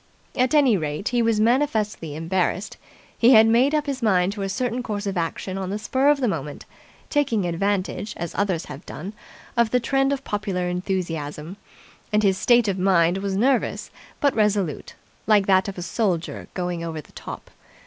At any rate, he was manifestly embarrassed. He had made up his mind to a certain course of action on the spur of the moment, taking advantage, as others have done, of the trend of popular enthusiasm: and his state of mind was nervous but resolute, like that of a soldier going over the top.